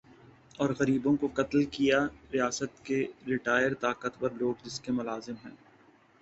اور غریبوں کو قتل کیا ریاست کے ریٹائر طاقتور لوگ جس کے ملازم ھیں